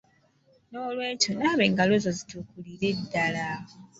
N'olw'ekyo, naaba engalo zo zitukulire ddala.